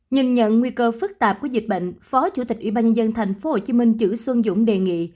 nhìn nhận nguy cơ phức tạp của dịch bệnh phó chủ tịch ủy ban nhân dân tp hcm chử xuân dũng đề nghị